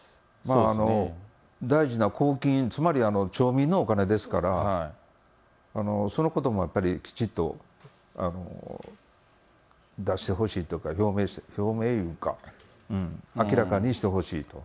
大事な公金、つまり町民のお金ですから、そのこともやっぱり、きちっと出してほしいとか、表明いうか、明らかにしてほしいと。